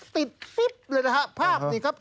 ติดปิ๊บเลยนะครับภาพนี้ครับ